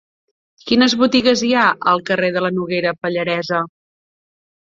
Quines botigues hi ha al carrer de la Noguera Pallaresa?